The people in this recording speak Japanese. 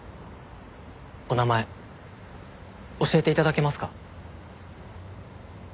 お名前教えて頂けますか？